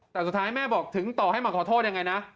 แต่สุดท้ายแม่บอกถึงต่อให้มาขอโทษยังไงนะ